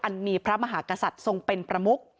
มีพระมหากษัตริย์ทรงเป็นประมุก